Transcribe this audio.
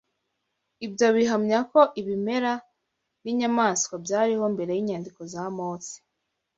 Ibyo bihamya ko ibimera n’inyamaswa byariho mbere y’inyandiko za Mose.